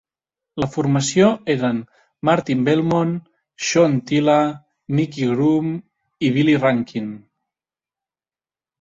La formació eren Martin Belmont, Sean Tyla, Micky Groome i Billy Rankin.